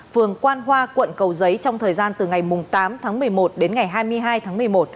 phường quan hoa quận cầu giấy trong thời gian từ ngày tám tháng một mươi một đến ngày hai mươi hai tháng một mươi một